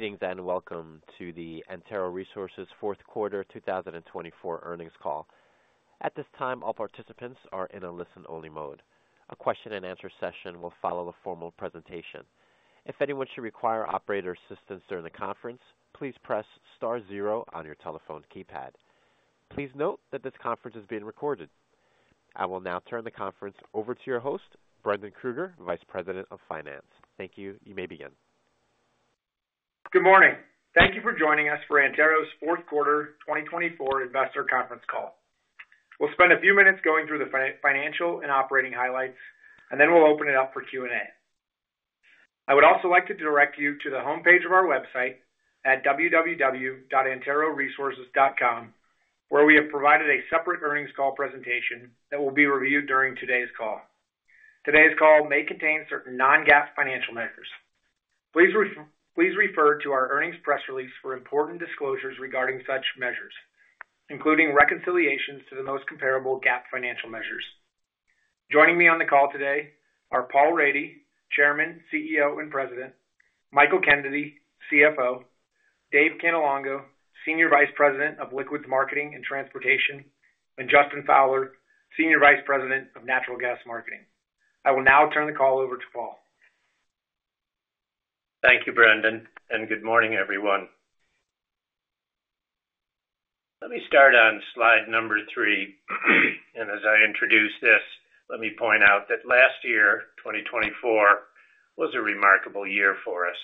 Greetings and welcome to the Antero Resources Q4 2024 earnings call. At this time, all participants are in a listen-only mode. A question-and-answer session will follow the formal presentation. If anyone should require operator assistance during the conference, please press * zero on your telephone keypad. Please note that this conference is being recorded. I will now turn the conference over to your host, Brendan Krueger, Vice President of Finance. Thank you. You may begin. Good morning. Thank you for joining us for Antero's Q4 2024 Investor Conference Call. We'll spend a few minutes going through the financial and operating highlights, and then we'll open it up for Q&A. I would also like to direct you to the homepage of our website at www.anteroresources.com, where we have provided a separate earnings call presentation that will be reviewed during today's call. Today's call may contain certain non-GAAP financial measures. Please refer to our earnings press release for important disclosures regarding such measures, including reconciliations to the most comparable GAAP financial measures. Joining me on the call today are Paul Rady, Chairman, CEO, and President; Michael Kennedy, CFO; Dave Cannelongo, Senior Vice President of Liquids Marketing and Transportation; and Justin Fowler, Senior Vice President of Natural Gas Marketing. I will now turn the call over to Paul. Thank you, Brendan, and good morning, everyone. Let me start on slide number three, and as I introduce this, let me point out that last year, 2024, was a remarkable year for us.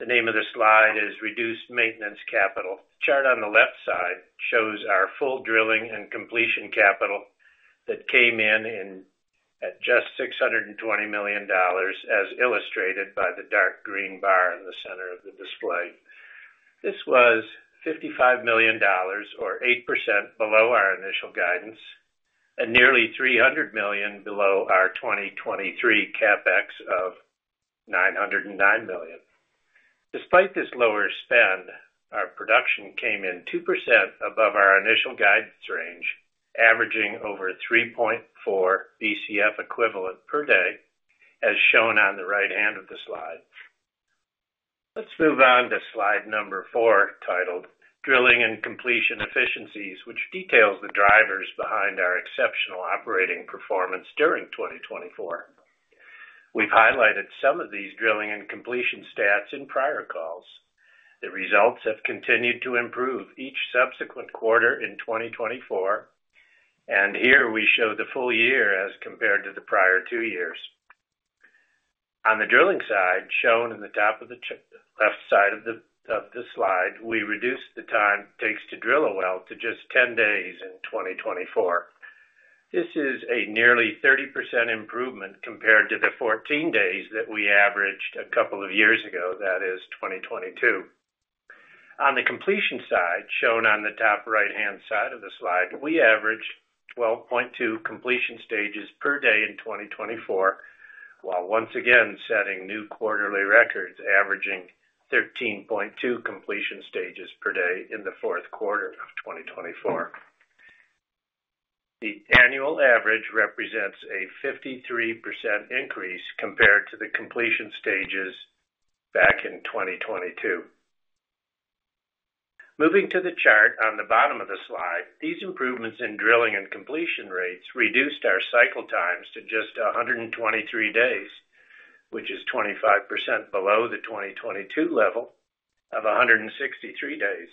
The name of the slide is Reduced Maintenance Capital. The chart on the left side shows our full drilling and completion capital that came in at just $620 million, as illustrated by the dark green bar in the center of the display. This was $55 million, or 8% below our initial guidance, and nearly $300 million below our 2023 CapEx of $909 million. Despite this lower spend, our production came in 2% above our initial guidance range, averaging over 3.4 BCF equivalent per day, as shown on the right hand of the slide. Let's move on to slide number four, titled Drilling and Completion Efficiencies, which details the drivers behind our exceptional operating performance during 2024. We've highlighted some of these drilling and completion stats in prior calls. The results have continued to improve each subsequent quarter in 2024, and here we show the full year as compared to the prior two years. On the drilling side, shown in the top of the left side of the slide, we reduced the time it takes to drill a well to just 10 days in 2024. This is a nearly 30% improvement compared to the 14 days that we averaged a couple of years ago, that is 2022. On the completion side, shown on the top right-hand side of the slide, we averaged 12.2 completion stages per day in 2024, while once again setting new quarterly records, averaging 13.2 completion stages per day in the Q4 of 2024. The annual average represents a 53% increase compared to the completion stages back in 2022. Moving to the chart on the bottom of the slide, these improvements in drilling and completion rates reduced our cycle times to just 123 days, which is 25% below the 2022 level of 163 days.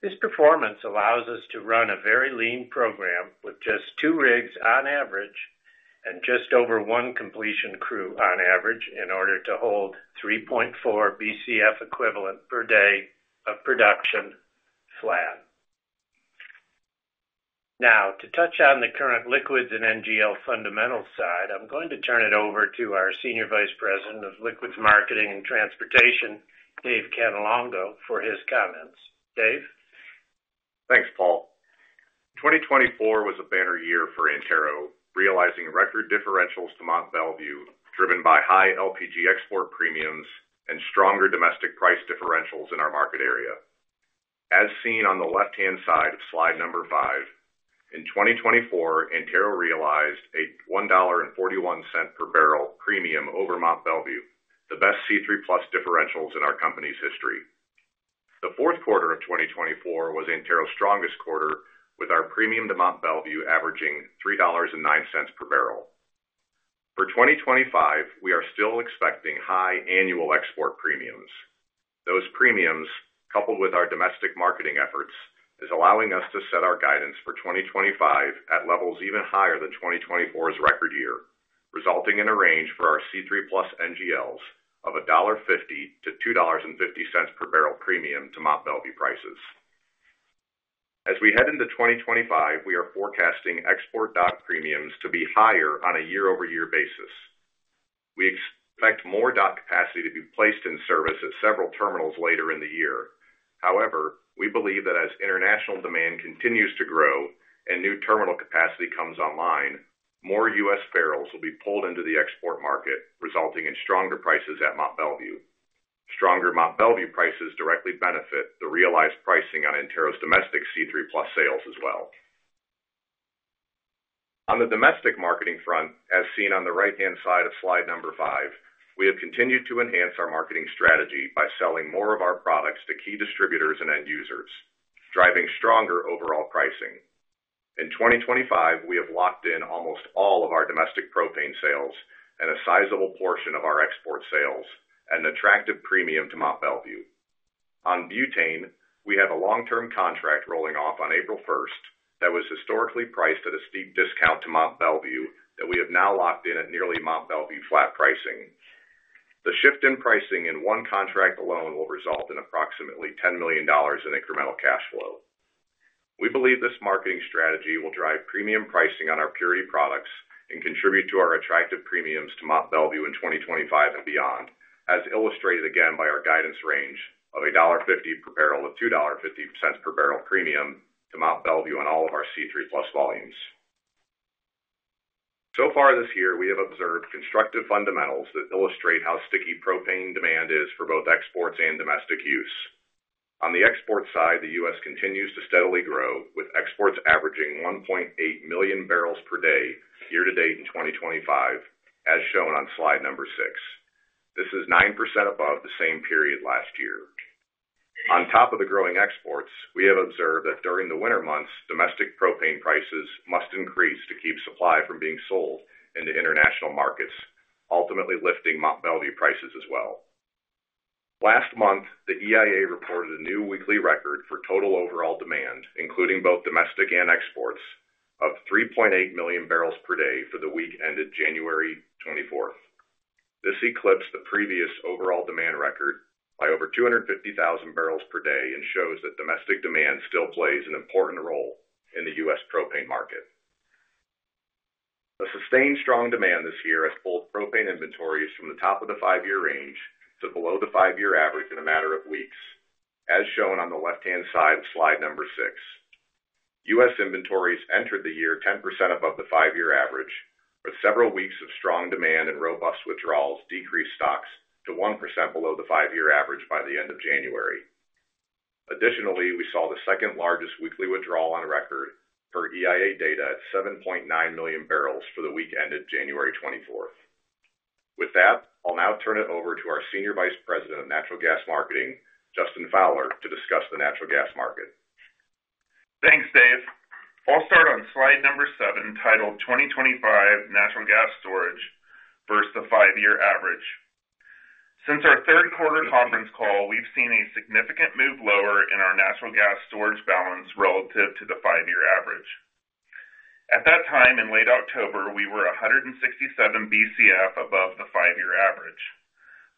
This performance allows us to run a very lean program with just two rigs on average and just over one completion crew on average in order to hold 3.4 BCF equivalent per day of production flat. Now, to touch on the current liquids and NGL fundamentals side, I'm going to turn it over to our Senior Vice President of Liquids Marketing and Transportation, Dave Cannelongo, for his comments. Dave? Thanks, Paul. 2024 was a banner year for Antero, realizing record differentials to Mont Belvieu, driven by high LPG export premiums and stronger domestic price differentials in our market area. As seen on the left-hand side of slide number five, in 2024, Antero realized a $1.41 per barrel premium over Mont Belvieu, the best C3 Plus differentials in our company's history. The Q4 of 2024 was Antero's strongest quarter, with our premium to Mont Belvieu averaging $3.09 per barrel. For 2025, we are still expecting high annual export premiums. Those premiums, coupled with our domestic marketing efforts, are allowing us to set our guidance for 2025 at levels even higher than 2024's record year, resulting in a range for our C3 Plus NGLs of $1.50-$2.50 per barrel premium to Mont Belvieu prices. As we head into 2025, we are forecasting export ethane premiums to be higher on a year-over-year basis. We expect more ethane capacity to be placed in service at several terminals later in the year. However, we believe that as international demand continues to grow and new terminal capacity comes online, more U.S. barrels will be pulled into the export market, resulting in stronger prices at Mont Belvieu. Stronger Mont Belvieu prices directly benefit the realized pricing on Antero's domestic C3 plus sales as well. On the domestic marketing front, as seen on the right-hand side of slide number five, we have continued to enhance our marketing strategy by selling more of our products to key distributors and end users, driving stronger overall pricing. In 2025, we have locked in almost all of our domestic propane sales and a sizable portion of our export sales, and an attractive premium to Mont Belvieu. On butane, we have a long-term contract rolling off on April 1st that was historically priced at a steep discount to Mont Belvieu that we have now locked in at nearly Mont Belvieu flat pricing. The shift in pricing in one contract alone will result in approximately $10 million in incremental cash flow. We believe this marketing strategy will drive premium pricing on our purity products and contribute to our attractive premiums to Mont Belvieu in 2025 and beyond, as illustrated again by our guidance range of $1.50 per barrel to $2.50 per barrel premium to Mont Belvieu on all of our C3 plus volumes. So far this year, we have observed constructive fundamentals that illustrate how sticky propane demand is for both exports and domestic use. On the export side, the U.S. continues to steadily grow, with exports averaging 1.8 million barrels per day year-to-date in 2025, as shown on slide number six. This is 9% above the same period last year. On top of the growing exports, we have observed that during the winter months, domestic propane prices must increase to keep supply from being sold into international markets, ultimately lifting Mont Belvieu prices as well. Last month, the EIA reported a new weekly record for total overall demand, including both domestic and exports, of 3.8 million barrels per day for the week ended January 24th. This eclipsed the previous overall demand record by over 250,000 barrels per day and shows that domestic demand still plays an important role in the U.S. propane market. A sustained strong demand this year has pulled propane inventories from the top of the five-year range to below the five-year average in a matter of weeks, as shown on the left-hand side of slide number six. U.S. inventories entered the year 10% above the five-year average, but several weeks of strong demand and robust withdrawals decreased stocks to 1% below the five-year average by the end of January. Additionally, we saw the second largest weekly withdrawal on record, per EIA data, at 7.9 million barrels for the week ended January 24th. With that, I'll now turn it over to our Senior Vice President of Natural Gas Marketing, Justin Fowler, to discuss the natural gas market. Thanks, Dave. I'll start on slide number seven, titled 2025 Natural Gas Storage versus the Five-Year Average. Since our Q3 conference call, we've seen a significant move lower in our natural gas storage balance relative to the five-year average. At that time, in late October, we were 167 BCF above the five-year average.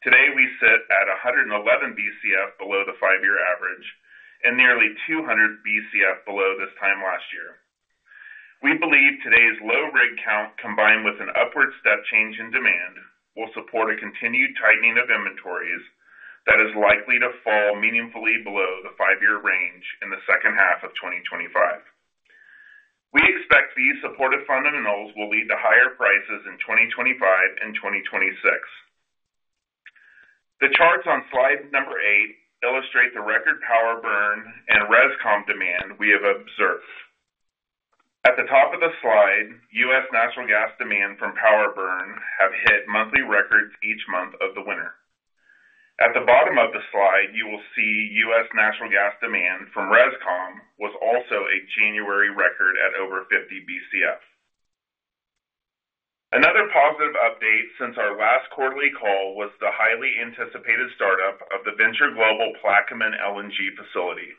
Today, we sit at 111 BCF below the five-year average and nearly 200 BCF below this time last year. We believe today's low rig count, combined with an upward step change in demand, will support a continued tightening of inventories that is likely to fall meaningfully below the five-year range in the second half of 2025. We expect these supportive fundamentals will lead to higher prices in 2025 and 2026. The charts on slide number eight illustrate the record power burn and ResCom demand we have observed. At the top of the slide, U.S. Natural gas demand from power burn has hit monthly records each month of the winter. At the bottom of the slide, you will see U.S. natural gas demand from ResCom was also a January record at over 50 BCF. Another positive update since our last quarterly call was the highly anticipated startup of the Venture Global Plaquemines LNG facility.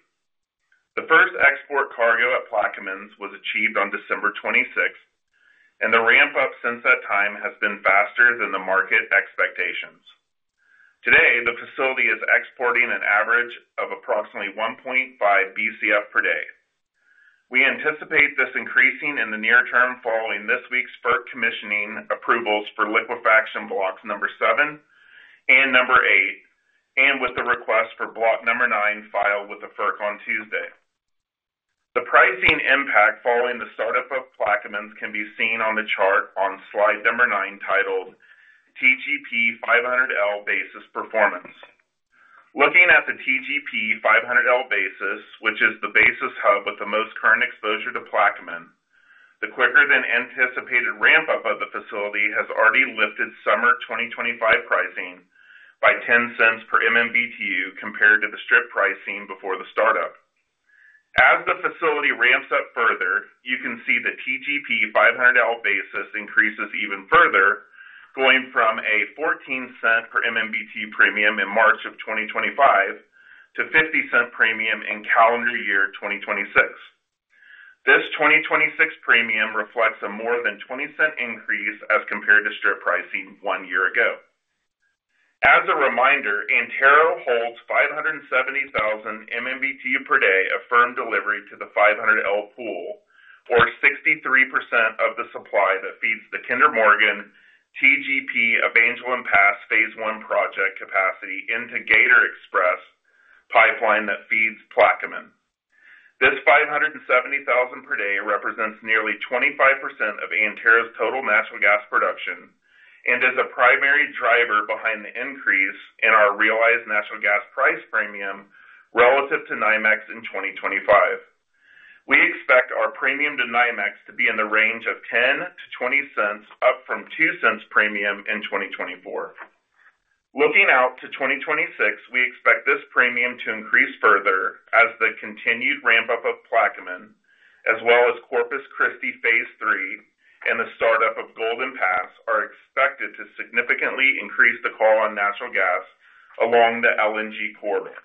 The first export cargo at Plaquemines was achieved on December 26th, and the ramp-up since that time has been faster than the market expectations. Today, the facility is exporting an average of approximately 1.5 BCF per day. We anticipate this increasing in the near term following this week's FERC commissioning approvals for liquefaction blocks number seven and number eight, and with the request for block number nine filed with the FERC on Tuesday. The pricing impact following the startup of Plaquemines can be seen on the chart on slide number nine, titled TGP 500L Basis Performance. Looking at the TGP 500L basis, which is the basis hub with the most current exposure to Plaquemines, the quicker-than-anticipated ramp-up of the facility has already lifted summer 2025 pricing by $0.10 per MMBTU compared to the strip pricing before the startup. As the facility ramps up further, you can see the TGP 500L basis increases even further, going from a $0.14 per MMBTU premium in March of 2025 to $0.50 premium in calendar year 2026. This 2026 premium reflects a more than $0.20 increase as compared to strip pricing one year ago. As a reminder, Antero holds 570,000 MMBTU per day of firm delivery to the 500L pool, or 63% of the supply that feeds the Kinder Morgan TGP Evangeline Pass Phase One project capacity into Gator Express pipeline that feeds Plaquemines. This 570,000 per day represents nearly 25% of Antero's total natural gas production and is a primary driver behind the increase in our realized natural gas price premium relative to NYMEX in 2025. We expect our premium to NYMEX to be in the range of $0.10-$0.20, up from $0.02 premium in 2024. Looking out to 2026, we expect this premium to increase further as the continued ramp-up of Plaquemines, as well as Corpus Christi Phase Three and the startup of Golden Pass, are expected to significantly increase the call on natural gas along the LNG corridor.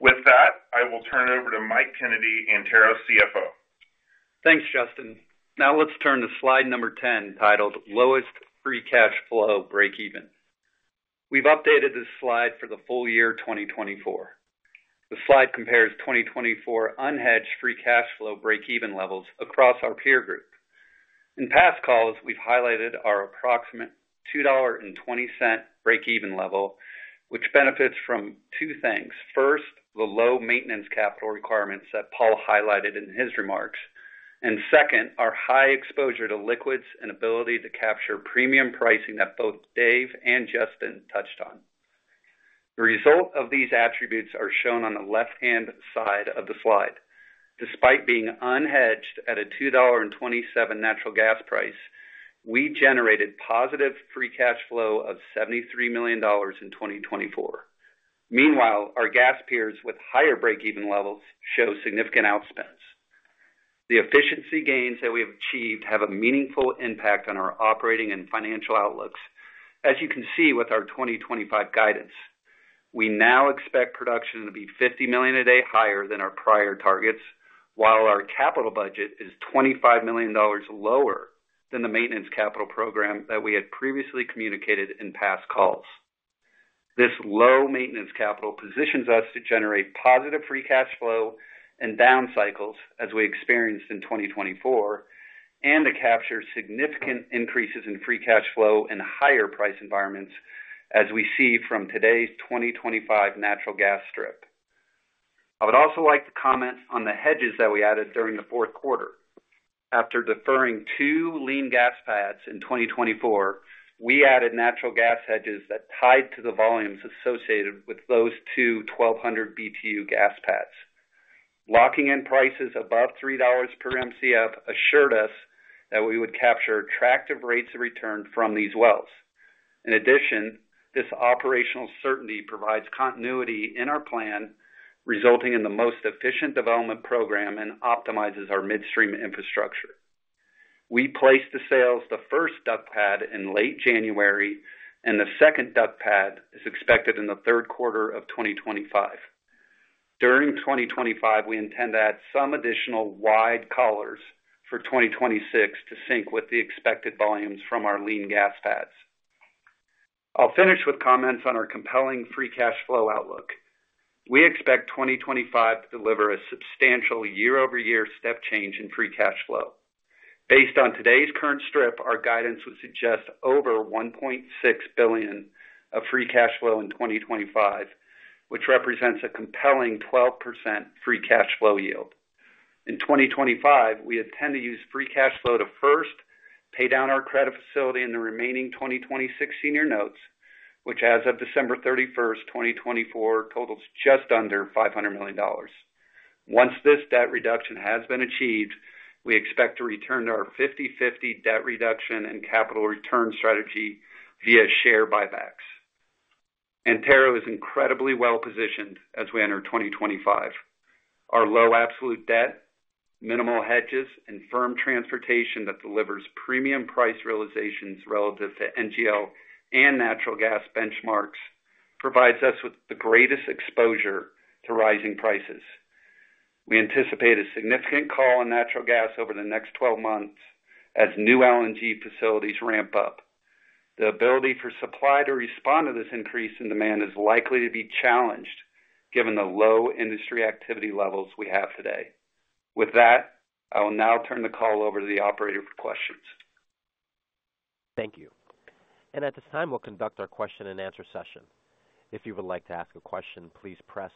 With that, I will turn it over to Mike Kennedy, Antero's CFO. Thanks, Justin. Now let's turn to slide number 10, titled Lowest Free Cash Flow Breakeven. We've updated this slide for the full year 2024. The slide compares 2024 unhedged free cash flow breakeven levels across our peer group. In past calls, we've highlighted our approximate $2.20 breakeven level, which benefits from two things. First, the low maintenance capital requirements that Paul highlighted in his remarks. And second, our high exposure to liquids and ability to capture premium pricing that both Dave and Justin touched on. The result of these attributes is shown on the left-hand side of the slide. Despite being unhedged at a $2.27 natural gas price, we generated positive free cash flow of $73 million in 2024. Meanwhile, our gas peers with higher breakeven levels show significant outspends. The efficiency gains that we have achieved have a meaningful impact on our operating and financial outlooks, as you can see with our 2025 guidance. We now expect production to be 50 million a day higher than our prior targets, while our capital budget is $25 million lower than the maintenance capital program that we had previously communicated in past calls. This low maintenance capital positions us to generate positive free cash flow and down cycles, as we experienced in 2024, and to capture significant increases in free cash flow in higher price environments, as we see from today's 2025 natural gas strip. I would also like to comment on the hedges that we added during the Q4. After deferring two lean gas pads in 2024, we added natural gas hedges that tied to the volumes associated with those two 1,200 BTU gas pads. Locking in prices above $3 per MCF assured us that we would capture attractive rates of return from these wells. In addition, this operational certainty provides continuity in our plan, resulting in the most efficient development program and optimizes our midstream infrastructure. We placed the sales of the first DUC pad in late January, and the second DUC pad is expected in the Q3 of 2025. During 2025, we intend to add some additional wide collars for 2026 to sync with the expected volumes from our lean gas pads. I'll finish with comments on our compelling free cash flow outlook. We expect 2025 to deliver a substantial year-over-year step change in free cash flow. Based on today's current strip, our guidance would suggest over $1.6 billion of free cash flow in 2025, which represents a compelling 12% free cash flow yield. In 2025, we intend to use free cash flow to first pay down our credit facility in the remaining 2026 senior notes, which, as of December 31st, 2024, totals just under $500 million. Once this debt reduction has been achieved, we expect to return to our 50/50 debt reduction and capital return strategy via share buybacks. Antero is incredibly well positioned as we enter 2025. Our low absolute debt, minimal hedges, and firm transportation that delivers premium price realizations relative to NYMEX and natural gas benchmarks provides us with the greatest exposure to rising prices. We anticipate a significant call on natural gas over the next 12 months as new LNG facilities ramp up. The ability for supply to respond to this increase in demand is likely to be challenged given the low industry activity levels we have today. With that, I will now turn the call over to the operator for questions. Thank you. And at this time, we'll conduct our question-and-answer session. If you would like to ask a question, please press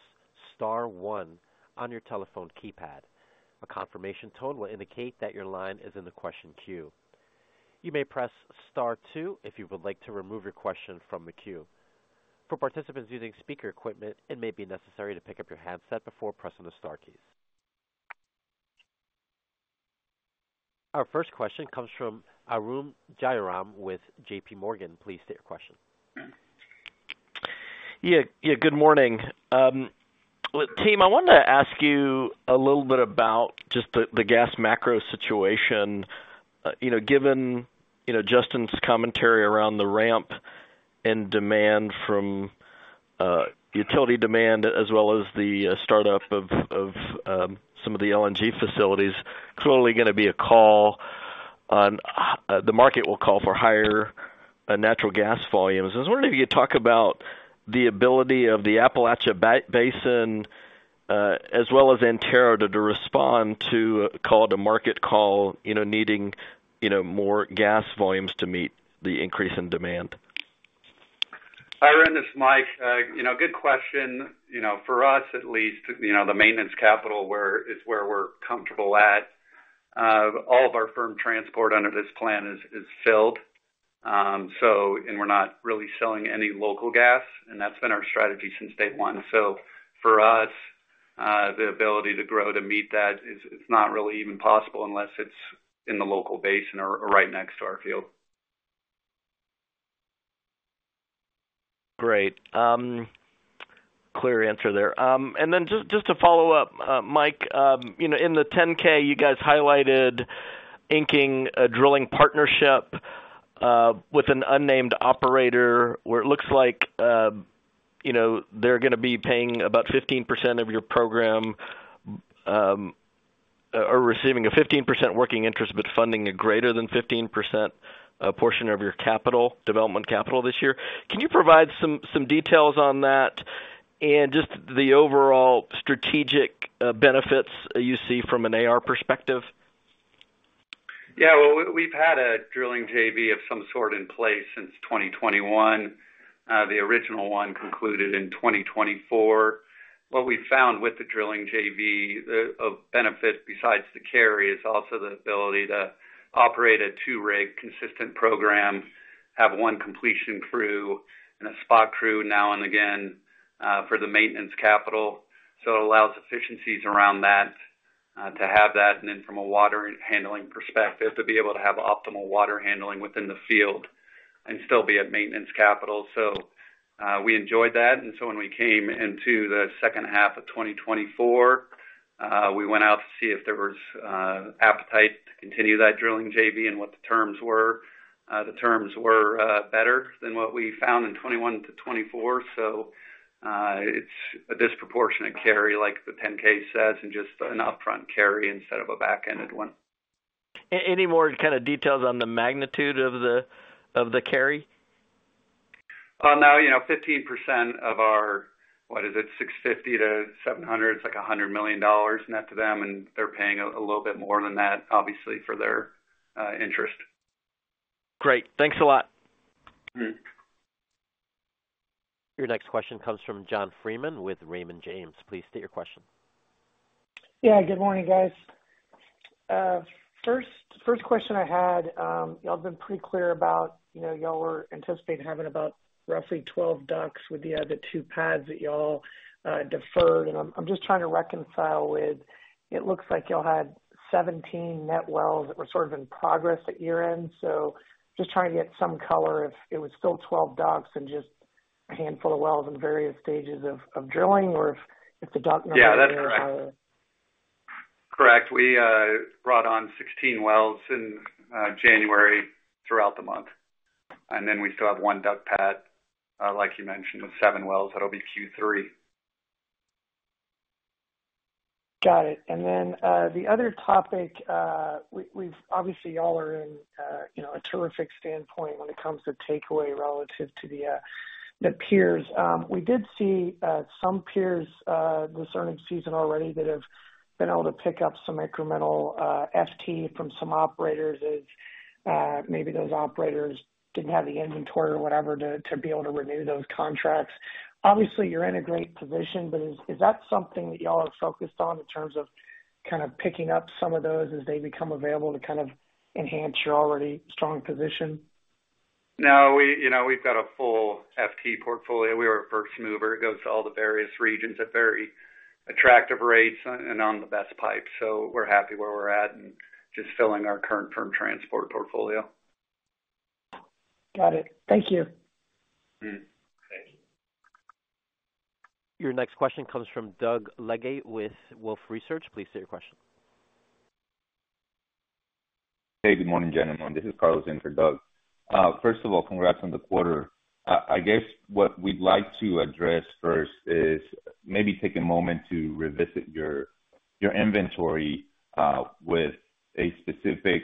* 1 on your telephone keypad. A confirmation tone will indicate that your line is in the question queue. You may press * 2 if you would like to remove your question from the queue. For participants using speaker equipment, it may be necessary to pick up your handset before pressing the Star keys. Our first question comes from Arun Jayaram with JP Morgan. Please state your question. Yeah, good morning. Team, I wanted to ask you a little bit about just the gas macro situation. Given Justin's commentary around the ramp in demand from utility demand, as well as the startup of some of the LNG facilities, clearly going to be a call on the market will call for higher natural gas volumes. I was wondering if you could talk about the ability of the Appalachia Basin, as well as Antero, to respond to a market call needing more gas volumes to meet the increase in demand. Hi, Ren. This is Mike. Good question. For us, at least, the maintenance capital is where we're comfortable at. All of our firm transport under this plan is filled, and we're not really selling any local gas, and that's been our strategy since day one. So for us, the ability to grow to meet that is not really even possible unless it's in the local basin or right next to our field. Great. Clear answer there. And then just to follow up, Mike, in the 10-K, you guys highlighted inking a drilling partnership with an unnamed operator where it looks like they're going to be paying about 15% of your program or receiving a 15% working interest, but funding a greater than 15% portion of your capital, development capital this year. Can you provide some details on that and just the overall strategic benefits you see from an AR perspective? Yeah. Well, we've had a drilling JV of some sort in place since 2021. The original one concluded in 2024. What we found with the drilling JV of benefit besides the carry is also the ability to operate a two-rig consistent program, have one completion crew and a spot crew now and again for the maintenance capital. So it allows efficiencies around that to have that. And then from a water handling perspective, to be able to have optimal water handling within the field and still be at maintenance capital. So we enjoyed that. And so when we came into the second half of 2024, we went out to see if there was appetite to continue that drilling JV and what the terms were. The terms were better than what we found in 2021 to 2024. So it's a disproportionate carry, like the 10-K says, and just an upfront carry instead of a back-ended one. Any more kind of details on the magnitude of the carry? No. 15% of our, what is it, 650-700, it's like $100 million net to them, and they're paying a little bit more than that, obviously, for their interest. Great. Thanks a lot. Your next question comes from John Freeman with Raymond James. Please state your question. Yeah. Good morning, guys. First question I had, y'all have been pretty clear about y'all were anticipating having about roughly 12 DUCs with the other two pads that y'all deferred. And I'm just trying to reconcile with it looks like y'all had 17 net wells that were sort of in progress at year-end. So just trying to get some color if it was still 12 DUCs and just a handful of wells in various stages of drilling or if the DUC number. Yeah, that's correct. Correct. We brought on 16 wells in January throughout the month. And then we still have one DUC pad, like you mentioned, with seven wells. That'll be Q3. Got it. And then the other topic, obviously, y'all are in a terrific standpoint when it comes to takeaway relative to the peers. We did see some peers this earnings season already that have been able to pick up some incremental FT from some operators as maybe those operators didn't have the inventory or whatever to be able to renew those contracts. Obviously, you're in a great position, but is that something that y'all are focused on in terms of kind of picking up some of those as they become available to kind of enhance your already strong position? No, we've got a full FT portfolio. We are a first mover. It goes to all the various regions at very attractive rates and on the best pipe. So we're happy where we're at and just filling our current firm transport portfolio. Got it. Thank you. Thank you. Your next question comes from Doug Legate with Wolfe Research. Please state your question. Hey, good morning, gentlemen. This is Carlos in for Doug. First of all, congrats on the quarter. I guess what we'd like to address first is maybe take a moment to revisit your inventory with a specific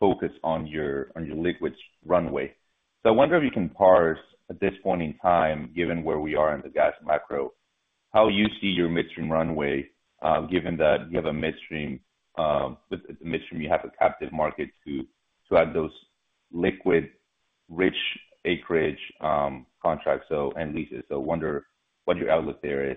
focus on your liquids runway. So I wonder if you can parse at this point in time, given where we are in the gas macro, how you see your midstream runway, given that you have a midstream, you have a captive market to add those liquid-rich acreage contracts and leases. So I wonder what your outlook there is.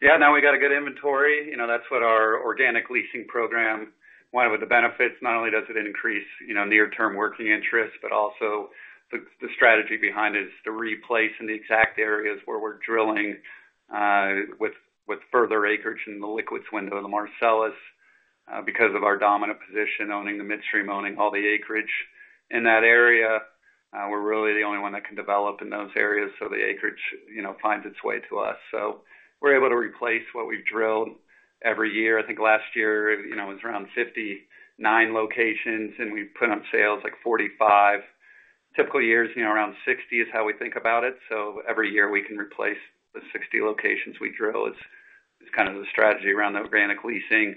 Yeah. Now we got a good inventory. That's what our organic leasing program went with the benefits. Not only does it increase near-term working interest, but also the strategy behind is to replace in the exact areas where we're drilling with further acreage in the liquids window and the Marcellus because of our dominant position owning the midstream owning all the acreage in that area. We're really the only one that can develop in those areas, so the acreage finds its way to us. So we're able to replace what we've drilled every year. I think last year was around 59 locations, and we've put on sales like 45. Typical years, around 60 is how we think about it. So every year we can replace the 60 locations we drill. It's kind of the strategy around the organic leasing.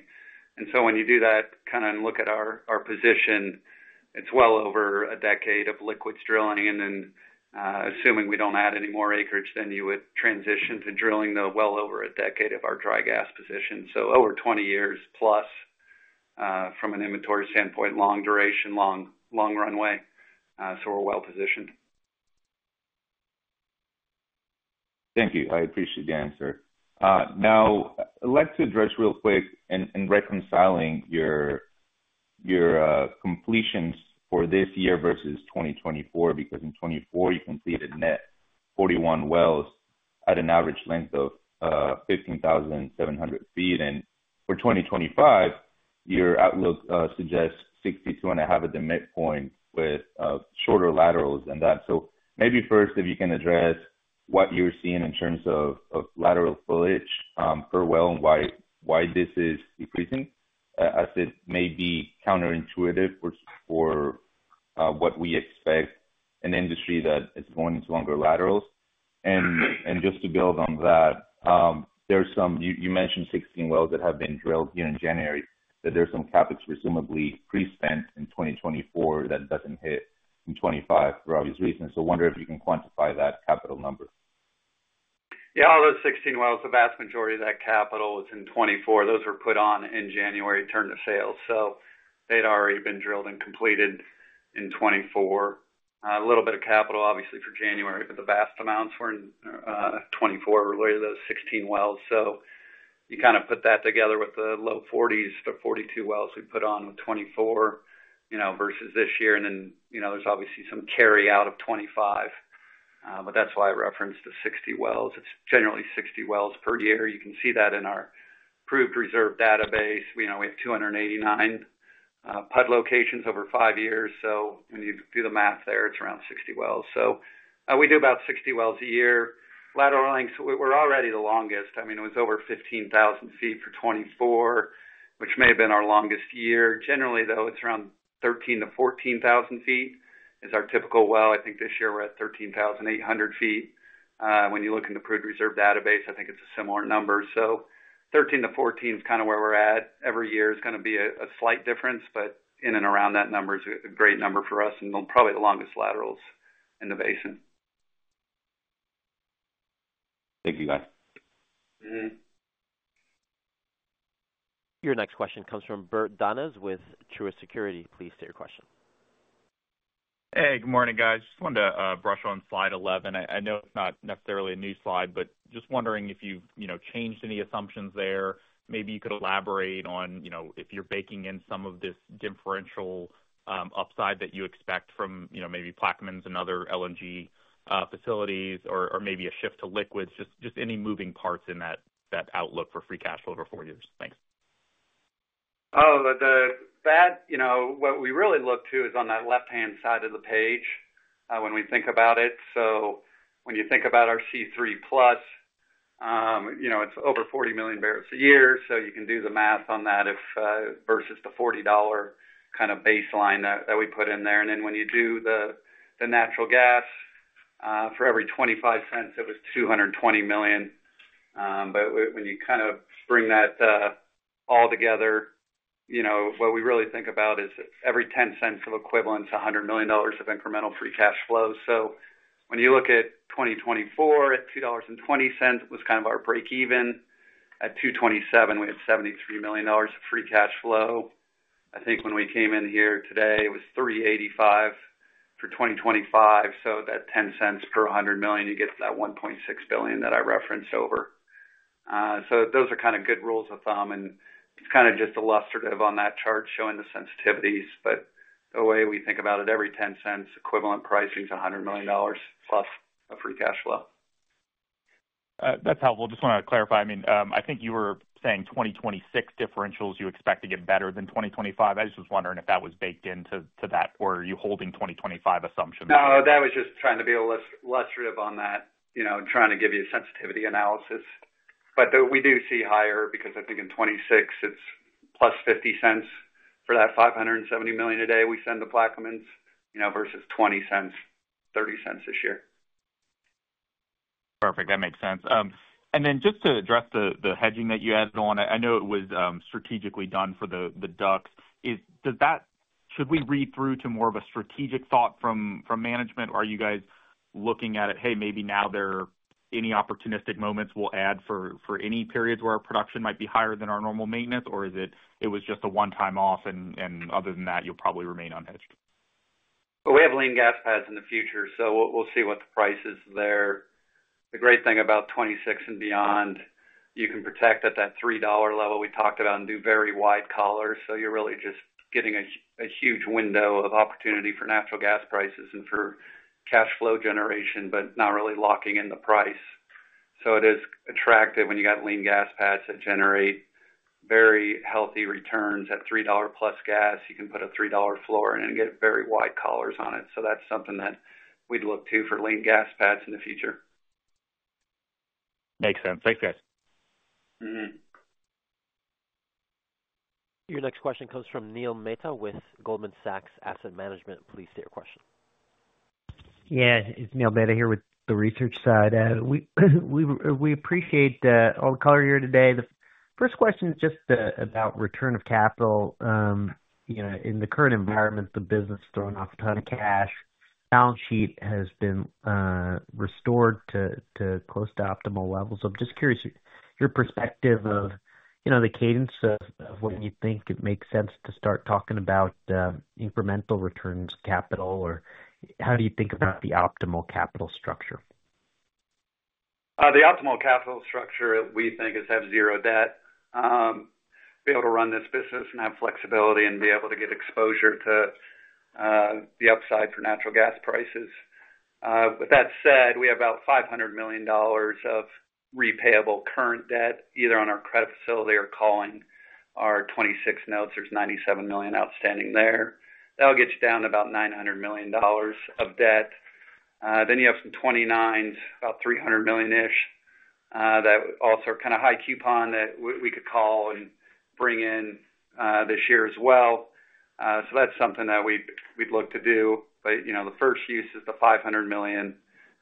And so when you do that kind of and look at our position, it's well over a decade of liquids drilling. And then assuming we don't add any more acreage, then you would transition to drilling the well over a decade of our dry gas position. So over 20 years plus from an inventory standpoint, long duration, long runway. So we're well positioned. Thank you. I appreciate the answer. Now, I'd like to address real quick and reconciling your completions for this year versus 2024 because in 2024, you completed net 41 wells at an average length of 15,700 feet. And for 2025, your outlook suggests 62 and a half at the midpoint with shorter laterals than that. So maybe first, if you can address what you're seeing in terms of lateral footage per well and why this is decreasing, as it may be counterintuitive for what we expect in an industry that is going into longer laterals. And just to build on that, you mentioned 16 wells that have been drilled here in January, that there's some CapEx presumably pre-spent in 2024 that doesn't hit in 2025 for obvious reasons. So I wonder if you can quantify that capital number. Yeah. All those 16 wells, the vast majority of that capital was in 2024. Those were put on in January, turned to sales. So they'd already been drilled and completed in 2024. A little bit of capital, obviously, for January, but the vast amounts were in 2024 related to those 16 wells. So you kind of put that together with the low 40s to 42 wells we put on with 2024 versus this year. And then there's obviously some carry out of 2025, but that's why I referenced the 60 wells. It's generally 60 wells per year. You can see that in our proved reserve database. We have 289 PUD locations over five years. So when you do the math there, it's around 60 wells. So we do about 60 wells a year. Lateral lengths, we're already the longest. I mean, it was over 15,000 feet for 2024, which may have been our longest year. Generally, though, it's around 13,000-14,000 feet is our typical well. I think this year we're at 13,800 feet. When you look in the proved reserve database, I think it's a similar number. So 13-14 is kind of where we're at. Every year is going to be a slight difference, but in and around that number is a great number for us and probably the longest laterals in the basin. Thank you, guys. Your next question comes from Bert Donnes with Truist Securities. Please state your question. Hey, good morning, guys. Just wanted to touch on slide 11. I know it's not necessarily a new slide, but just wondering if you've changed any assumptions there. Maybe you could elaborate on if you're baking in some of this differential upside that you expect from maybe Plaquemines and other LNG facilities or maybe a shift to liquids, just any moving parts in that outlook for free cash flow over four years. Thanks. Oh, the bad, what we really look to is on that left-hand side of the page when we think about it. So when you think about our C3 Plus, it's over 40 million barrels a year. So you can do the math on that versus the $40 kind of baseline that we put in there. And then when you do the natural gas, for every $0.25, it was 220 million. But when you kind of bring that all together, what we really think about is every $0.10 of equivalent to $100 million of incremental free cash flow. So when you look at 2024, at $2.20, it was kind of our break-even. At $2.27, we had $73 million of free cash flow. I think when we came in here today, it was $3.85 for 2025. So that $0.10 per 100 million, you get to that $1.6 billion that I referenced over. So those are kind of good rules of thumb. And it's kind of just illustrative on that chart showing the sensitivities. But the way we think about it, every $0.10 equivalent pricing is $100 million plus a free cash flow. That's helpful. Just want to clarify. I mean, I think you were saying 2026 differentials you expect to get better than 2025. I just was wondering if that was baked into that or are you holding 2025 assumptions? No, that was just trying to be illustrative on that, trying to give you a sensitivity analysis. But we do see higher because I think in 2026, it's plus $0.50 for that 570 million a day we send to Plaquemines versus $0.20, $0.30 this year. Perfect. That makes sense. And then just to address the hedging that you added on, I know it was strategically done for the DUCs. Should we read through to more of a strategic thought from management? Are you guys looking at it, "Hey, maybe now there are any opportunistic moments we'll add for any periods where our production might be higher than our normal maintenance?" Or is it was just a one-off, and other than that, you'll probably remain unhedged? We have lean gas pads in the future, so we'll see what the price is there. The great thing about 2026 and beyond, you can protect at that $3 level we talked about and do very wide collars. So you're really just getting a huge window of opportunity for natural gas prices and for cash flow generation, but not really locking in the price. So it is attractive when you got lean gas pads that generate very healthy returns at $3 plus gas. You can put a $3 floor in and get very wide collars on it. So that's something that we'd look to for lean gas pads in the future. Makes sense. Thanks, guys. Your next question comes from Neil Mehta with Goldman Sachs Asset Management. Please state your question. Yeah. It's Neil Mehta here with the research side. We appreciate all the color here today. The first question is just about return of capital. In the current environment, the business is throwing off a ton of cash. Balance sheet has been restored to close to optimal levels. So I'm just curious your perspective of the cadence of when you think it makes sense to start talking about incremental return of capital or how do you think about the optimal capital structure? The optimal capital structure we think is have zero debt, be able to run this business and have flexibility, and be able to get exposure to the upside for natural gas prices. With that said, we have about $500 million of repayable current debt either on our credit facility or calling our 2026 notes. There's $97 million outstanding there. That'll get you down to about $900 million of debt. Then you have some 2029s, about $300 million-ish that also are kind of high coupon that we could call and bring in this year as well. So that's something that we'd look to do. But the first use is the $500 million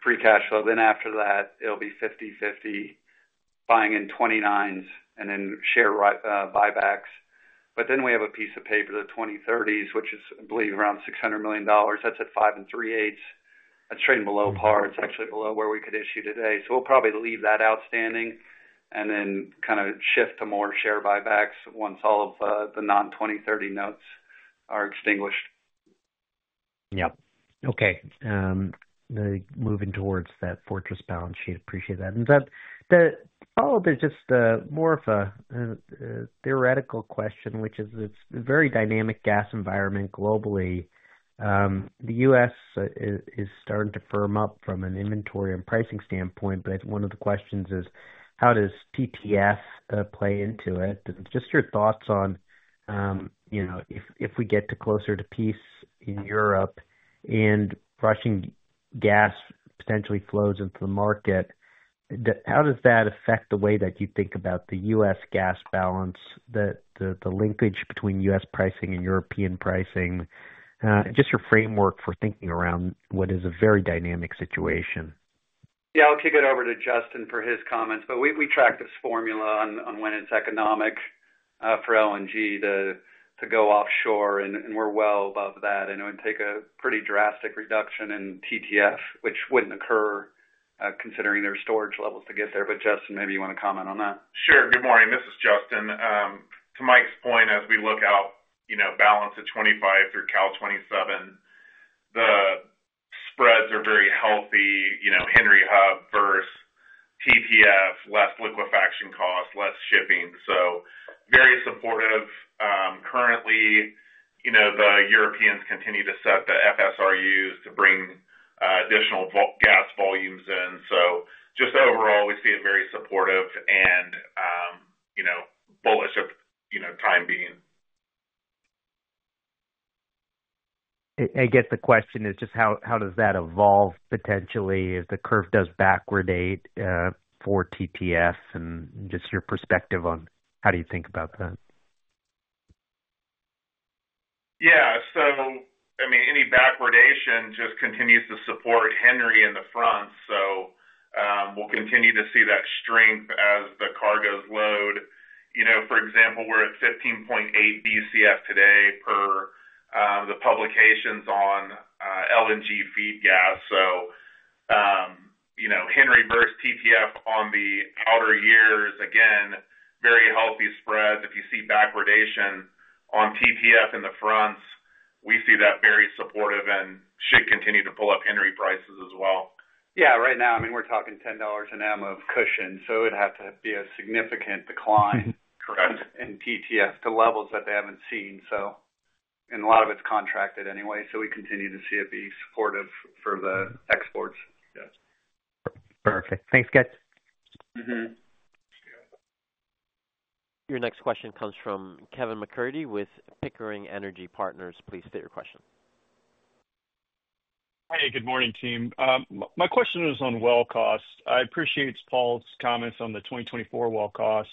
free cash flow. Then after that, it'll be 50/50 buying in 2029s and then share buybacks. But then we have a piece of paper, the 2030s, which is, I believe, around $600 million. That's at 5.375%. That's trading below par. It's actually below where we could issue today. So we'll probably leave that outstanding and then kind of shift to more share buybacks once all of the non-2030 notes are extinguished. Yep. Okay. Moving towards that fortress balance sheet. Appreciate that. And the follow-up is just more of a theoretical question, which is it's a very dynamic gas environment globally. The U.S. is starting to firm up from an inventory and pricing standpoint, but one of the questions is, how does TTF play into it? Just your thoughts on if we get closer to peace in Europe and Russian gas potentially flows into the market, how does that affect the way that you think about the U.S. gas balance, the linkage between U.S. pricing and European pricing, just your framework for thinking around what is a very dynamic situation? Yeah. I'll kick it over to Justin for his comments. But we track this formula on when it's economic for LNG to go offshore, and we're well above that. And it would take a pretty drastic reduction in TTF, which wouldn't occur considering their storage levels to get there. But Justin, maybe you want to comment on that? Sure. Good morning. This is Justin. To Mike's point, as we look out, balance at 2025 through Cal 2027, the spreads are very healthy. Henry Hub versus TTF, less liquefaction cost, less shipping. So very supportive. Currently, the Europeans continue to set the FSRUs to bring additional gas volumes in. So just overall, we see it very supportive and bullish for the time being. I guess the question is just how does that evolve potentially as the curve does backwardation for TTF and just your perspective on how do you think about that? Yeah. So, I mean, any backwardation just continues to support Henry in the front. So we'll continue to see that strength as the cargoes load. For example, we're at 15.8 BCF today per the publications on LNG feed gas. So Henry versus TTF on the outer years, again, very healthy spreads. If you see backwardation on TTF in the fronts, we see that very supportive and should continue to pull up Henry prices as well. Yeah. Right now, I mean, we're talking $10 an MMBtu of cushion, so it would have to be a significant decline in TTF to levels that they haven't seen, and a lot of it's contracted anyway, so we continue to see it be supportive for the exports. Yes. Perfect. Thanks, guys. Your next question comes from Kevin McCurdy with Pickering Energy Partners. Please state your question. Hi. Good morning, team. My question is on well cost. I appreciate Paul's comments on the 2024 well cost.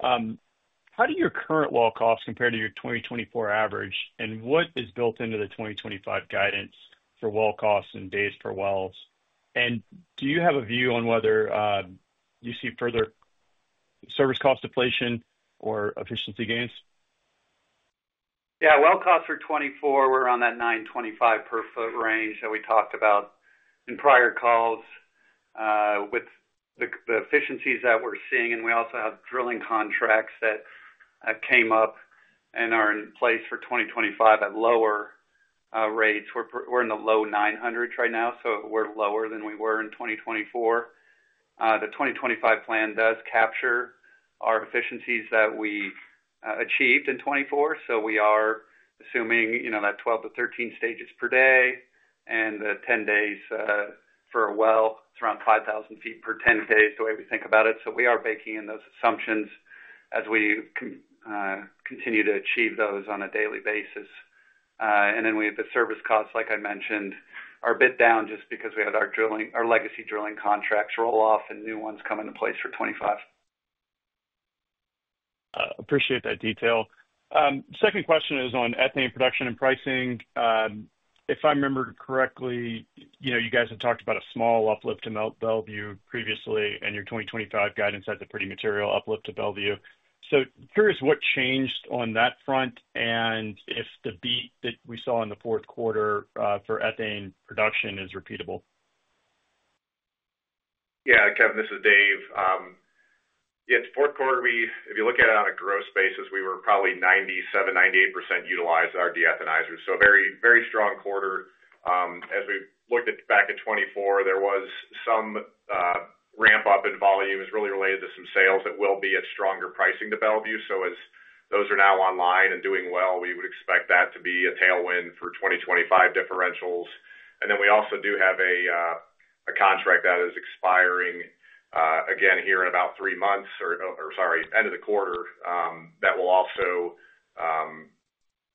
How do your current well cost compare to your 2024 average, and what is built into the 2025 guidance for well costs and days per wells, and do you have a view on whether you see further service cost deflation or efficiency gains? Yeah. Well, cost for 2024, we're around that $9.25 per foot range that we talked about in prior calls with the efficiencies that we're seeing. And we also have drilling contracts that came up and are in place for 2025 at lower rates. We're in the low $900s right now, so we're lower than we were in 2024. The 2025 plan does capture our efficiencies that we achieved in 2024. So we are assuming that 12-13 stages per day and the 10 days for a well. It's around 5,000 feet per 10 days the way we think about it. So we are baking in those assumptions as we continue to achieve those on a daily basis. And then we have the service costs, like I mentioned, are a bit down just because we had our legacy drilling contracts roll off and new ones come into place for 2025. Appreciate that detail. Second question is on ethane production and pricing. If I remember correctly, you guys had talked about a small uplift to Mont Belvieu previously, and your 2025 guidance has a pretty material uplift to Mont Belvieu. So curious what changed on that front and if the beat that we saw in the Q4 for ethane production is repeatable? Yeah. Kevin, this is Dave. Yeah. It's Q4. If you look at it on a gross basis, we were probably 97%-98% utilized our deethanizers. So a very strong quarter. As we looked back at 2024, there was some ramp-up in volume. It's really related to some sales that will be at stronger pricing to Mont Belvieu. So as those are now online and doing well, we would expect that to be a tailwind for 2025 differentials. And then we also do have a contract that is expiring again here in about three months or, sorry, end of the quarter that will also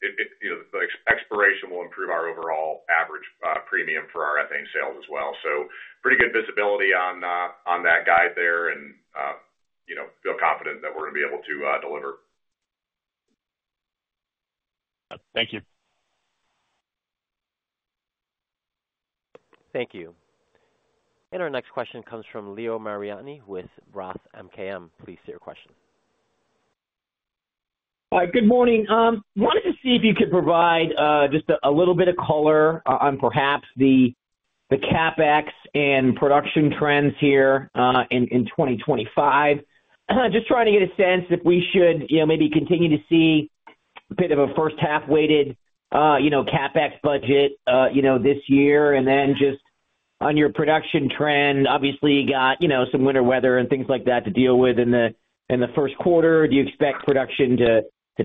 the expiration will improve our overall average premium for our ethane sales as well. So pretty good visibility on that guide there and feel confident that we're going to be able to deliver. Thank you. Thank you, and our next question comes from Leo Mariani with Roth MKM. Please state your question. Good morning. Wanted to see if you could provide just a little bit of color on perhaps the CapEx and production trends here in 2025. Just trying to get a sense if we should maybe continue to see a bit of a first-half-weighted CapEx budget this year. And then just on your production trend, obviously, you got some winter weather and things like that to deal with in the Q1. Do you expect production to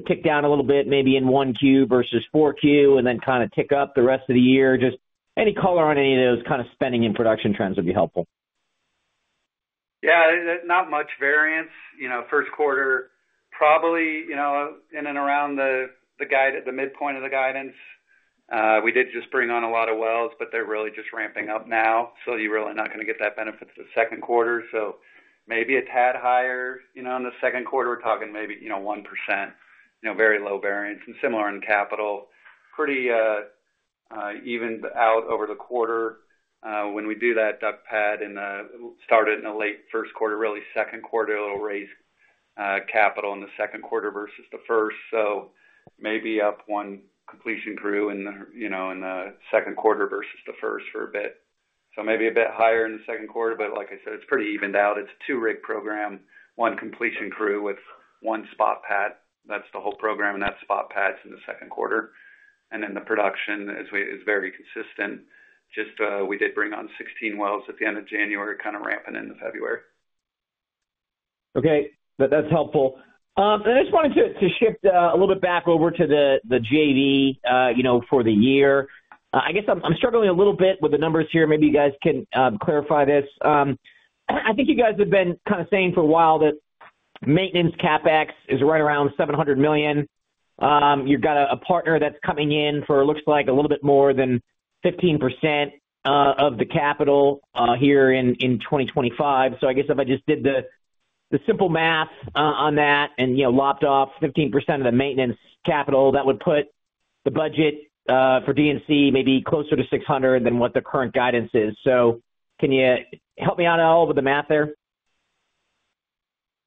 tick down a little bit, maybe in Q1 versus Q4, and then kind of tick up the rest of the year? Just any color on any of those kind of spending and production trends would be helpful. Yeah. Not much variance. Q1, probably in and around the midpoint of the guidance. We did just bring on a lot of wells, but they're really just ramping up now. So you're really not going to get that benefit the Q2. So maybe a tad higher in the Q2. We're talking maybe 1%, very low variance, and similar in capital. Pretty even out over the quarter. When we do that DUC pad and start it in the late Q1, really Q2, it'll raise capital in the Q2 versus the first. So maybe up one completion crew in the Q2 versus the first for a bit. So maybe a bit higher in the Q2, but like I said, it's pretty evened out. It's a two-rig program, one completion crew with one spot pad. That's the whole program, and that's spot pads in the Q2, and then the production is very consistent. Just, we did bring on 16 wells at the end of January, kind of ramping into February. Okay. That's helpful, and I just wanted to shift a little bit back over to the JV for the year. I guess I'm struggling a little bit with the numbers here. Maybe you guys can clarify this. I think you guys have been kind of saying for a while that maintenance CapEx is right around $700 million. You've got a partner that's coming in for, it looks like, a little bit more than 15% of the capital here in 2025, so I guess if I just did the simple math on that and lopped off 15% of the maintenance capital, that would put the budget for DUC maybe closer to $600 million than what the current guidance is. So can you help me out at all with the math there?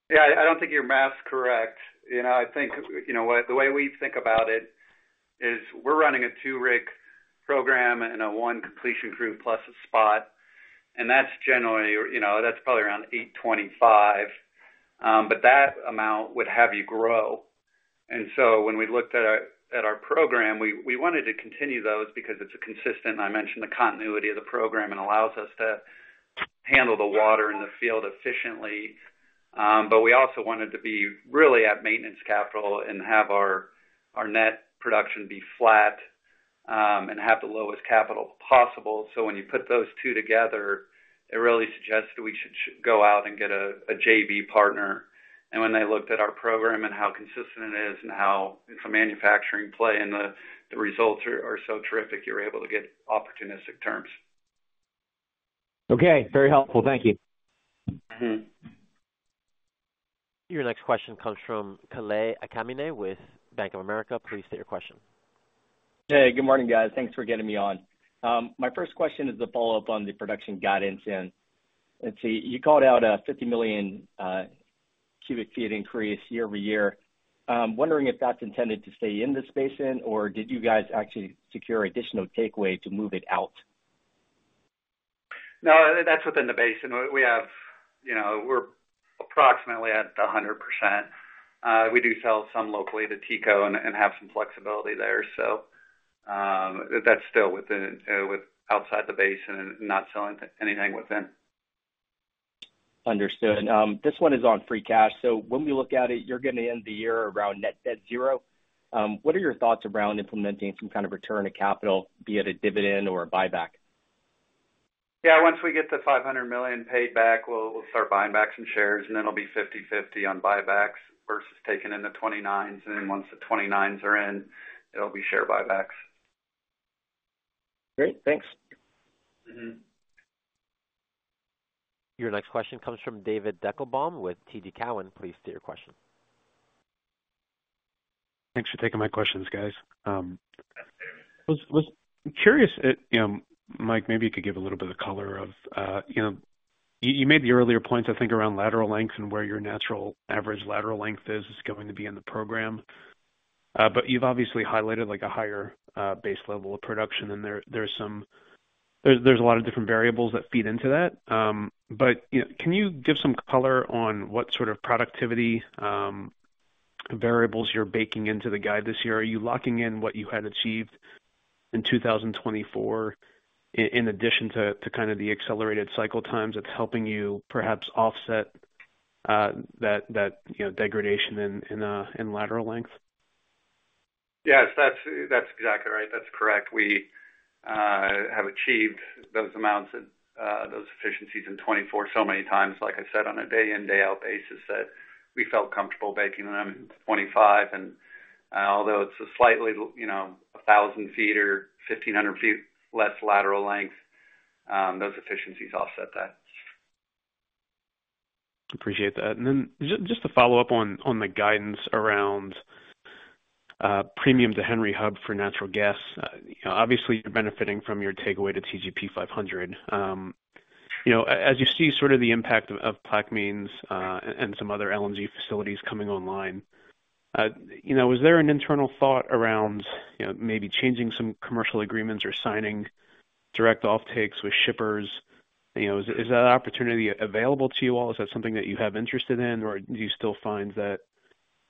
Yeah. I don't think your math's correct. I think the way we think about it is we're running a two-rig program and a one completion crew plus a spot. And that's generally probably around 825. But that amount would have you grow. And so when we looked at our program, we wanted to continue those because it's a consistent, I mentioned the continuity of the program, and allows us to handle the water in the field efficiently. But we also wanted to be really at maintenance capital and have our net production be flat and have the lowest capital possible. So when you put those two together, it really suggests that we should go out and get a JV partner. And when they looked at our program and how consistent it is and how it's a manufacturing play and the results are so terrific, you're able to get opportunistic terms. Okay. Very helpful. Thank you. Your next question comes from Kalei Akamine with Bank of America. Please state your question. Hey. Good morning, guys. Thanks for getting me on. My first question is a follow-up on the production guidance. And let's see. You called out a 50 million cubic feet increase year over year. I'm wondering if that's intended to stay in this basin, or did you guys actually secure additional takeaway to move it out? No, that's within the basin. We're approximately at 100%. We do sell some locally to TECO and have some flexibility there, so that's still outside the basin and not selling anything within. Understood. This one is on free cash. So when we look at it, you're going to end the year around net debt zero. What are your thoughts around implementing some kind of return of capital, be it a dividend or a buyback? Yeah. Once we get the $500 million paid back, we'll start buying back some shares, and then it'll be 50/50 on buybacks versus taking in the 29s. And then once the 29s are in, it'll be share buybacks. Great. Thanks. Your next question comes from David Deckelbaum with TD Cowen. Please state your question. Thanks for taking my questions, guys. I was curious, Mike, maybe you could give a little bit of color of you made the earlier points, I think, around lateral length and where your natural average lateral length is going to be in the program. But you've obviously highlighted a higher base level of production, and there's a lot of different variables that feed into that. But can you give some color on what sort of productivity variables you're baking into the guide this year? Are you locking in what you had achieved in 2024 in addition to kind of the accelerated cycle times that's helping you perhaps offset that degradation in lateral length? Yes. That's exactly right. That's correct. We have achieved those amounts and those efficiencies in 2024 so many times, like I said, on a day-in-day-out basis that we felt comfortable baking them in 2025, and although it's a slightly 1,000 feet or 1,500 feet less lateral length, those efficiencies offset that. Appreciate that. And then just to follow up on the guidance around premium to Henry Hub for natural gas, obviously, you're benefiting from your takeaway to TGP 500. As you see sort of the impact of Plaquemines and some other LNG facilities coming online, was there an internal thought around maybe changing some commercial agreements or signing direct offtakes with shippers? Is that opportunity available to you all? Is that something that you have interested in, or do you still find that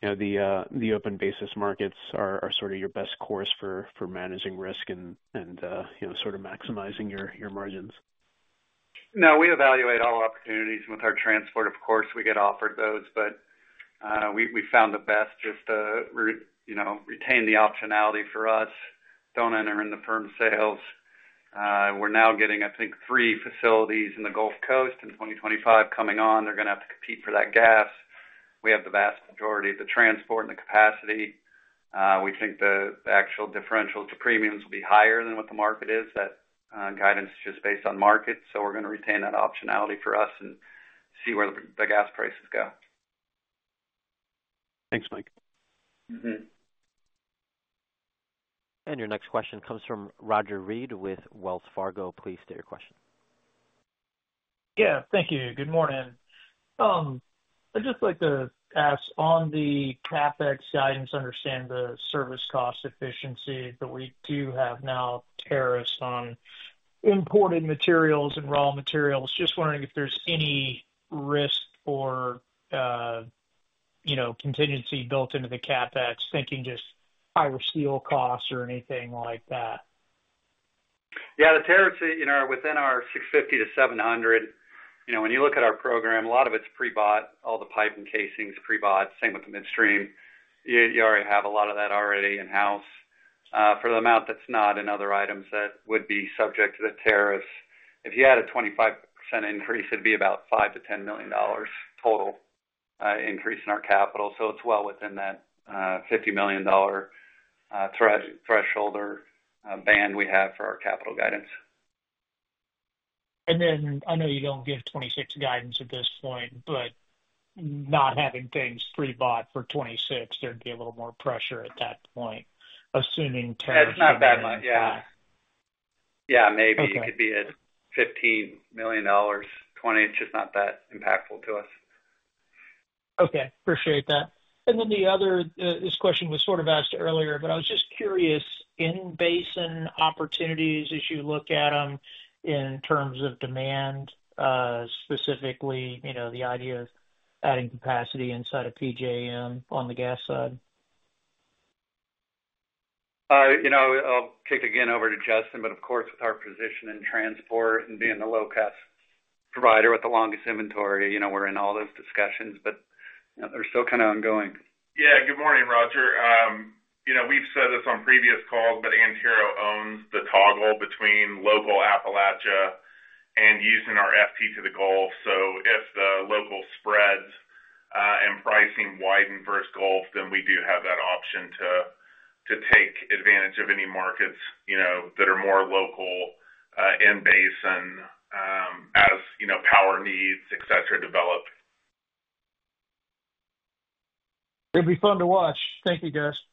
the open basis markets are sort of your best course for managing risk and sort of maximizing your margins? No, we evaluate all opportunities with our transport. Of course, we get offered those, but we found the best just to retain the optionality for us. Don't enter in the firm sales. We're now getting, I think, three facilities in the Gulf Coast in 2025 coming on. They're going to have to compete for that gas. We have the vast majority of the transport and the capacity. We think the actual differentials to premiums will be higher than what the market is. That guidance is just based on market. So we're going to retain that optionality for us and see where the gas prices go. Thanks, Mike. And your next question comes from Roger Read with Wells Fargo. Please state your question. Yeah. Thank you. Good morning. I'd just like to ask on the CapEx guidance, understand the service cost efficiency, but we do have now tariffs on imported materials and raw materials. Just wondering if there's any risk for contingency built into the CapEx, thinking just higher steel costs or anything like that. Yeah. The tariffs within our $650-$700, when you look at our program, a lot of it's pre-bought. All the pipe and casing's pre-bought. Same with the midstream. You already have a lot of that already in-house. For the amount that's not in other items that would be subject to the tariffs, if you add a 25% increase, it'd be about $5-$10 million total increase in our capital. So it's well within that $50 million threshold or band we have for our capital guidance. And then I know you don't give 2026 guidance at this point, but not having things pre-bought for 2026, there'd be a little more pressure at that point, assuming tariffs are not that much. Yeah. Yeah. Maybe it could be at $15-20 million. It's just not that impactful to us. Okay. Appreciate that. And then this question was sort of asked earlier, but I was just curious, in basin opportunities, as you look at them in terms of demand, specifically the idea of adding capacity inside of PJM on the gas side? I'll kick again over to Justin, but of course, with our position in transport and being the low-cost provider with the longest inventory, we're in all those discussions, but they're still kind of ongoing. Yeah. Good morning, Roger. We've said this on previous calls, but Antero owns the toggle between local Appalachia and using our FT to the Gulf. So if the local spreads and pricing widen versus Gulf, then we do have that option to take advantage of any markets that are more local in basin as power needs, etc., develop. It'll be fun to watch. Thank you, guys. Thank you.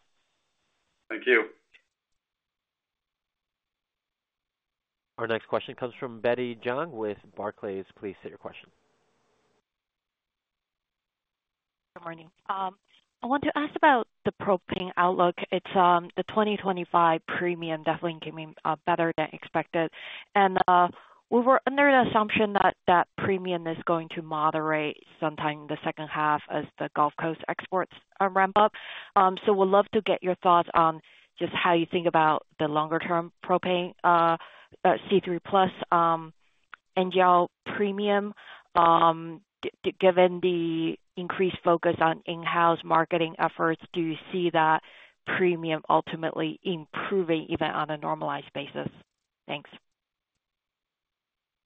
Our next question comes from Betty Jiang with Barclays. Please state your question. Good morning. I want to ask about the propane outlook. The 2025 premium definitely came in better than expected. And we were under the assumption that that premium is going to moderate sometime in the second half as the Gulf Coast exports ramp up. So we'd love to get your thoughts on just how you think about the longer-term propane C3 Plus NGL premium. Given the increased focus on in-house marketing efforts, do you see that premium ultimately improving even on a normalized basis?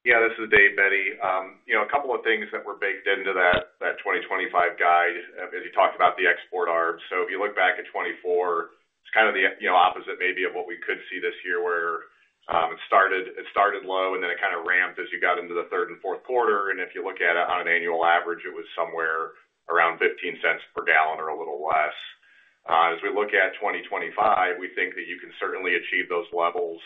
Thanks. Yeah. This is Dave Cannelongo. A couple of things that were baked into that 2025 guide is you talked about the export arc, so if you look back at 2024, it's kind of the opposite maybe of what we could see this year where it started low, and then it kind of ramped as you got into the third and Q4, and if you look at it on an annual average, it was somewhere around $0.15 per gallon or a little less. As we look at 2025, we think that you can certainly achieve those levels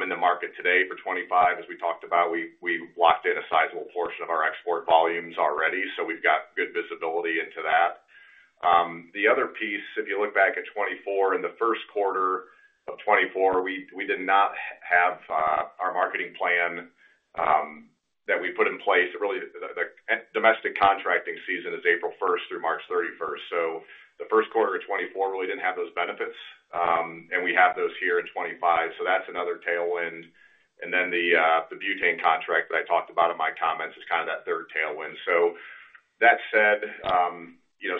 in the market today for 2025. As we talked about, we locked in a sizable portion of our export volumes already, so we've got good visibility into that. The other piece, if you look back at 2024, in the Q1 of 2024, we did not have our marketing plan that we put in place. The domestic contracting season is April 1st through March 31st. So the Q1 of 2024, we didn't have those benefits, and we have those here in 2025. So that's another tailwind. And then the butane contract that I talked about in my comments is kind of that third tailwind. So that said,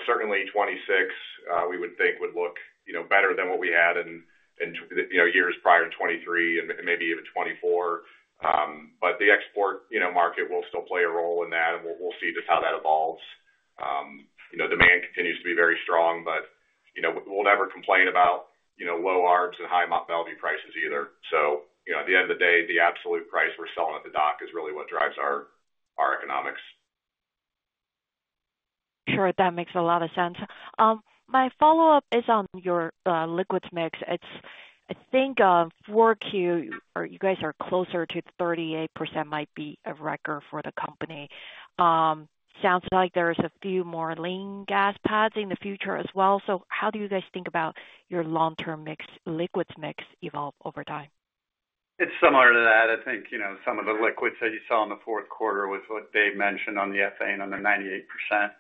certainly 2026, we would think would look better than what we had in years prior to 2023 and maybe even 2024. But the export market will still play a role in that, and we'll see just how that evolves. Demand continues to be very strong, but we'll never complain about low ARBs and high Mont Belvieu prices either. So at the end of the day, the absolute price we're selling at the dock is really what drives our economics. Sure. That makes a lot of sense. My follow-up is on your liquid mix. I think 4Q, you guys are closer to 38% might be a record for the company. Sounds like there's a few more lean gas pads in the future as well. So how do you guys think about your long-term liquids mix evolve over time? It's similar to that. I think some of the liquids that you saw in the Q4 was what Dave mentioned on the ethane on the 98%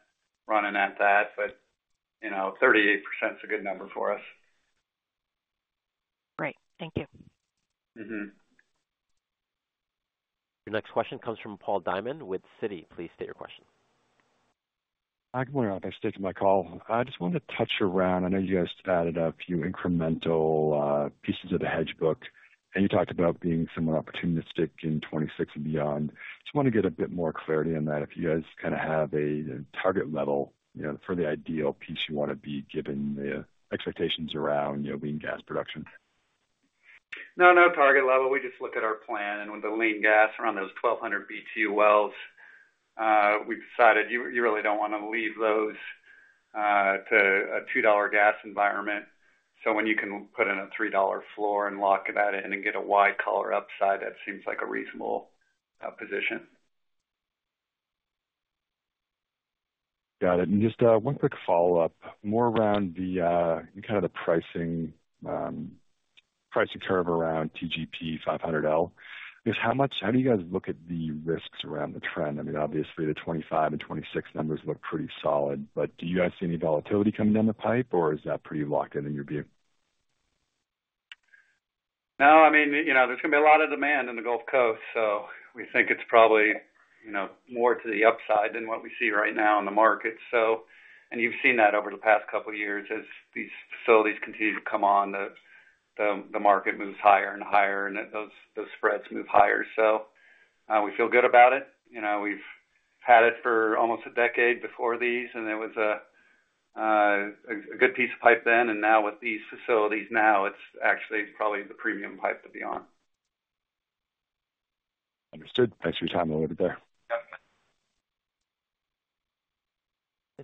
running at that. But 38% is a good number for us. Great. Thank you. Your next question comes from Paul Diamond with Citi. Please state your question. I can only stay to my call. I just want to touch around. I know you guys added a few incremental pieces of the hedge book, and you talked about being somewhat opportunistic in '26 and beyond. Just want to get a bit more clarity on that. If you guys kind of have a target level for the ideal piece you want to be given the expectations around lean gas production? No, no target level. We just look at our plan. And with the lean gas around those 1,200 BTU wells, we've decided you really don't want to leave those to a $2 gas environment. So when you can put in a $3 floor and lock that in and get a wide collar upside, that seems like a reasonable position. Got it. And just one quick follow-up, more around kind of the pricing curve around TGP 500L. How do you guys look at the risks around the trend? I mean, obviously, the 2025 and 2026 numbers look pretty solid, but do you guys see any volatility coming down the pipe, or is that pretty locked in in your view? No. I mean, there's going to be a lot of demand in the Gulf Coast, so we think it's probably more to the upside than what we see right now in the market. And you've seen that over the past couple of years as these facilities continue to come on, the market moves higher and higher, and those spreads move higher. So we feel good about it. We've had it for almost a decade before these, and it was a good piece of pipe then. And now with these facilities now, it's actually probably the premium pipe to be on. Understood. Thanks for your time, Oliver.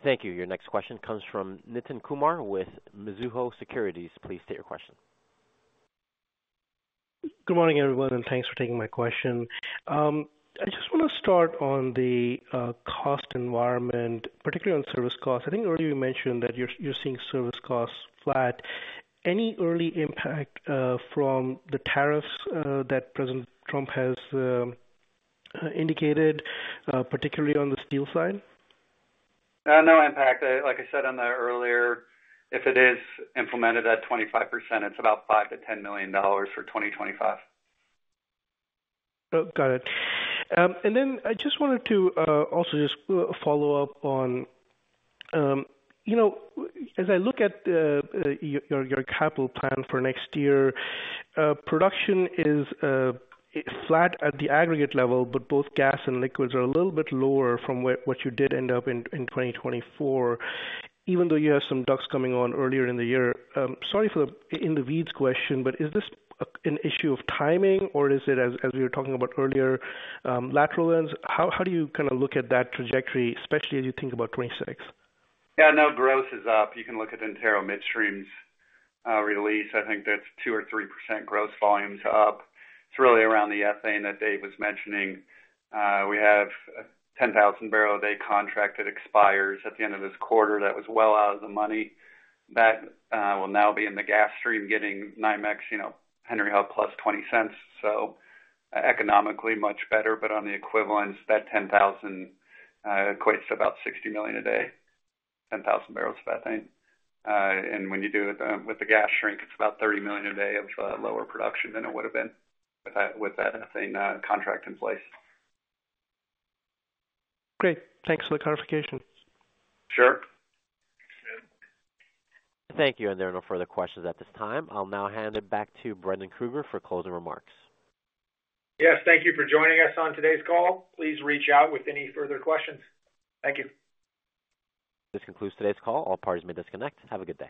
Thank you. Your next question comes from Nitin Kumar with Mizuho Securities. Please state your question. Good morning, everyone, and thanks for taking my question. I just want to start on the cost environment, particularly on service costs. I think earlier you mentioned that you're seeing service costs flat. Any early impact from the tariffs that President Trump has indicated, particularly on the steel side? No impact. Like I said on that earlier, if it is implemented at 25%, it's about $5 million-$10 million for 2025. Got it. And then I just wanted to also just follow up on, as I look at your capital plan for next year, production is flat at the aggregate level, but both gas and liquids are a little bit lower from what you did end up in 2024, even though you have some DUCs coming on earlier in the year. Sorry for the in the weeds question, but is this an issue of timing, or is it, as we were talking about earlier, lateral length? How do you kind of look at that trajectory, especially as you think about 2026? Yeah. No, growth is up. You can look at Antero Midstream's release. I think that's 2%-3% gross volumes up. It's really around the ethane that Dave was mentioning. We have a 10,000 barrel a day contract that expires at the end of this quarter. That was well out of the money. That will now be in the gas stream getting 9X Henry Hub plus $0.20. So economically, much better, but on the equivalence, that 10,000 equates to about 60 million a day, 10,000 barrels of ethane. And when you do it with the gas shrink, it's about 30 million a day of lower production than it would have been with that ethane contract in place. Great. Thanks for the clarification. Sure. Thank you. And there are no further questions at this time. I'll now hand it back to Brendan Krueger for closing remarks. Yes. Thank you for joining us on today's call. Please reach out with any further questions. Thank you. This concludes today's call. All parties may disconnect. Have a good day.